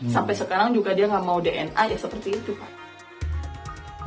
sampai sekarang juga dia nggak mau dna ya seperti itu pak